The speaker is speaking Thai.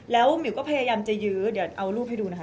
แล้วมิวก็พยายามจะยื้อเดี๋ยวเอารูปให้ดูนะคะ